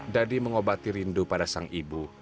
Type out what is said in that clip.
dadi mengobati rindu pada sang ibu